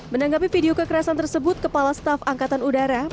menanggapi video kekerasan tersebut kepala staf angkatan udara marsikal tni fajar